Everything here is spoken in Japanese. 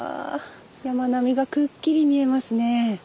山並みがくっきり見えますね。